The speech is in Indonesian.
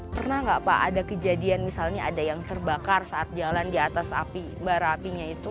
pernah nggak pak ada kejadian misalnya ada yang terbakar saat jalan di atas api bara apinya itu